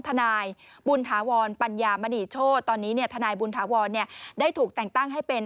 ทนายบุญถาวรปัญญามณีโชธตอนนี้เนี่ยทนายบุญถาวรได้ถูกแต่งตั้งให้เป็น